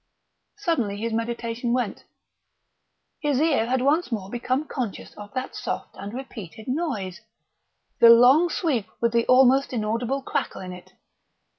Suddenly his meditation went. His ear had once more become conscious of that soft and repeated noise the long sweep with the almost inaudible crackle in it.